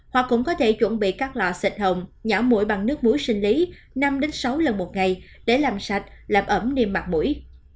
hoặc cũng có thể chuẩn bị các lọ xịt hồng nhỏ mũi bằng nước muối sinh lý năm sáu lần một ngày để làm sạch làm ẩm niệm mặt mũi